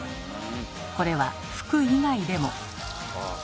これは服以外でも。